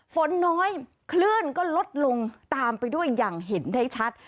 ฝนน้อยคลื่นก็ลดลงตามไปด้วยอย่างเห็นได้ชัด